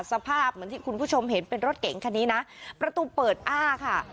สภาพเหมือนที่คุณผู้ชมเห็นเป็นรถเก๋งคันนี้นะประตูเปิดอ้าค่ะ